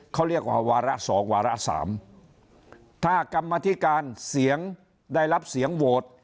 เขาเรียกว่าวาระสองวาระสามถ้ากรรมธิการเสียงได้รับเสียงโหวต